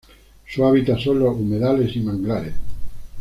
Su hábitat son los humedales y manglares.